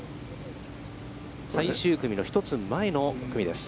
最終組の１つ前の組です。